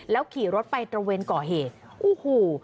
แล้วขี่รถไปตระเวนก่อเหตุอู้หู